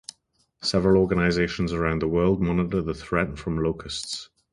Several organizations around the world monitor the threat from locusts.